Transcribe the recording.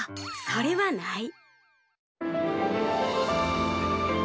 それはない。